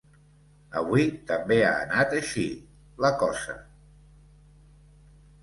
Avui també ha anat així, la cosa.